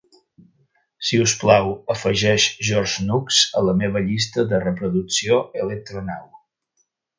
Si us plau, afegeix George Nooks a la meva llista de reproducció electronow.